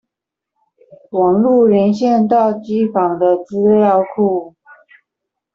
網路連線到機房的資料庫